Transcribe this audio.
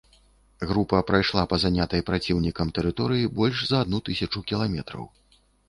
Група прайшла па занятай праціўнікам тэрыторыі больш за адну тысячу кіламетраў.